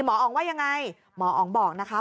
หมออ๋องว่ายังไงหมออ๋องบอกนะคะ